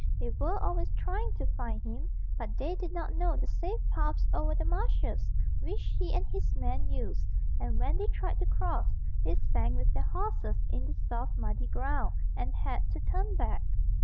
They were always trying to find him, but they did not know the safe paths over the marshes which he and his men used, and when they tried to cross, they sank with their horses in the soft muddy ground, and had to turn back.